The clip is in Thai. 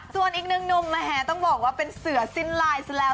ส่วนอีกหนึ่งหนุ่มแหมต้องบอกว่าเป็นเสือสิ้นลายซะแล้ว